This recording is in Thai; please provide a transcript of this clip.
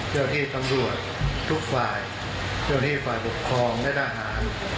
เจ้าที่ตำรวจทุกฝ่ายเจ้าที่ฝ่ายปกครองและทหาร